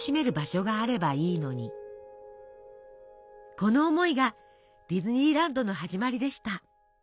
この思いがディズニーランドの始まりでした。